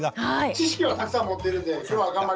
知識はたくさん持ってるんで今日は頑張ります。